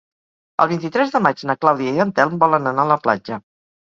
El vint-i-tres de maig na Clàudia i en Telm volen anar a la platja.